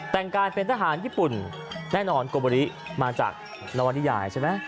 แต่งกายเป็นทหารญี่ปุ่นแน่นอนโกโบริมาจากนวนิยายใช่ไหม